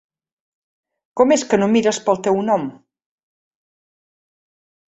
Com és que no mires per el teu nom?